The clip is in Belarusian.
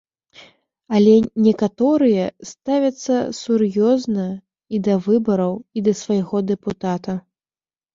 Але некаторыя ставяцца сур'ёзна і да выбараў, і да свайго дэпутата.